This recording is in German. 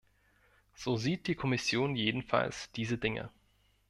So sieht die Kommission jedenfalls diese Dinge.